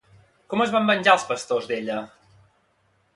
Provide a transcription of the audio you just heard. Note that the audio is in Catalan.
Com es van venjar els pastors d'ella?